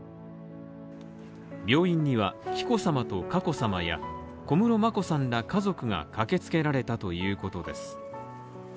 病院には紀子さまと佳子さまや小室眞子さんら家族が駆けつけられたということです。